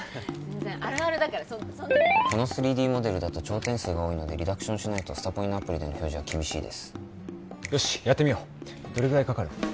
全然あるあるだからそんなこの３Ｄモデルだと頂点数が多いのでリダクションしないとスタポニのアプリでの表示は厳しいですよしやってみようどれぐらいかかる？